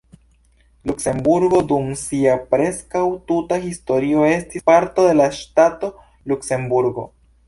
Luksemburgo dum sia preskaŭ tuta historio estis parto de la ŝtato Luksemburgo.